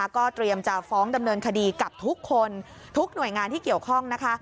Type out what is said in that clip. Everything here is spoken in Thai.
ก็เตรียมจะฟ้องดำเนินคดีกับทุกคนทุกหน่วยงานที่เกี่ยวข้องนะคะ